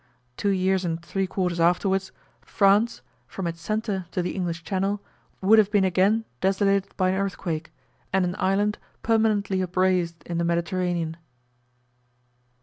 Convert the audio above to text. Two years and three quarters afterwards, France, from its centre to the English Channel, would have been again desolated by an earthquake and an island permanently upraised in the Mediterranean.